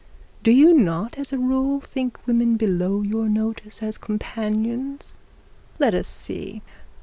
Do you not as a rule think women below your notice as companions? Let us see.